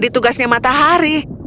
tidak itu bukan tugasnya matahari